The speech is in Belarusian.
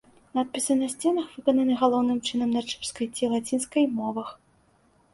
Надпісы на сценах выкананы галоўным чынам на чэшскай ці лацінскай мовах.